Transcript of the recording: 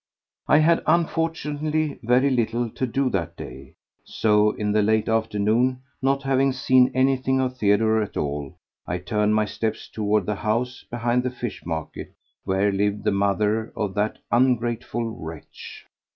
I had unfortunately very little to do that day, so in the late afternoon, not having seen anything of Theodore all day, I turned my steps toward the house behind the fish market where lived the mother of that ungrateful wretch.